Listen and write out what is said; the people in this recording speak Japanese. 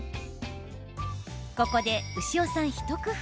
ここで、牛尾さん一工夫。